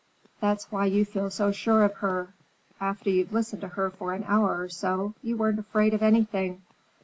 That's why you feel so sure of her. After you've listened to her for an hour or so, you aren't afraid of anything.